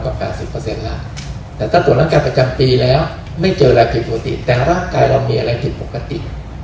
แต่ถ้าตลากราศน์ประจำปีแล้วไม่มีในร่างกายมีอะไรผิดปกติ